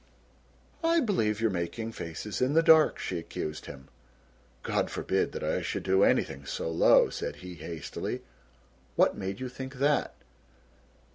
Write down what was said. "I believe you're making faces in the dark," she accused him. "God forbid that I should do anything so low," said he hastily; "what made you think that?"